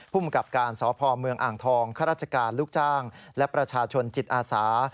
ภูมิกับการสพเมืองอ่างทองข้าราชการลูกจ้างและประชาชนจิตอาสา